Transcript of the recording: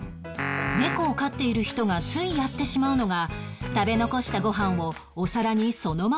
猫を飼っている人がついやってしまうのが食べ残したご飯をお皿にそのままにしておく事